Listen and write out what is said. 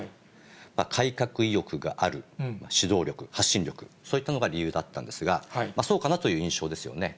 改革意欲がある、指導力、発信力、そういったのが理由だったんですが、そうかなという印象ですよね。